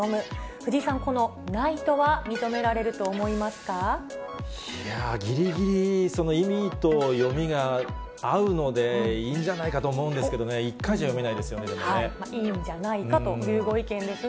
藤井さん、このナイトは、認めらいやー、ぎりぎり、その意味と読みが合うので、いいんじゃないかと思うんですけどね、いいんじゃないかというご意見ですが。